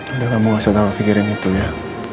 udah kamu gak usah tawa pikirin itu ya